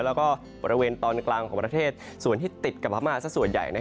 แล้วก็บริเวณตอนกลางของประเทศส่วนที่ติดกับพม่าสักส่วนใหญ่